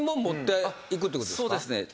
そうですね。